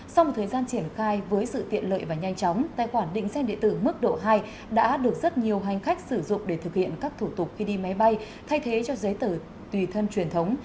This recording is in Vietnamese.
sau một thời gian triển khai với sự tiện lợi và nhanh chóng tài khoản định xe điện tử mức độ hai đã được rất nhiều hành khách sử dụng để thực hiện các thủ tục khi đi máy bay thay thế cho giấy tử tùy thân truyền thống